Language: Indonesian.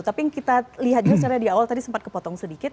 tapi kita lihatnya sebenarnya di awal tadi sempat kepotong sedikit